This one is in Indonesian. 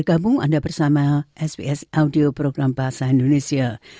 anda bersama sbs bahasa indonesia